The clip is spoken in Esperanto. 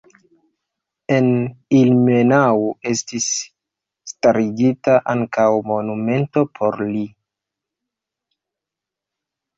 En Ilmenau estis starigita ankaŭ monumento por li.